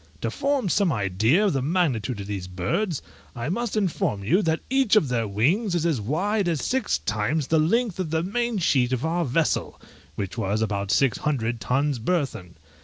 To form some idea of the magnitude of these birds, I must inform you that each of their wings is as wide and six times the length of the main sheet of our vessel, which was about six hundred tons burthen.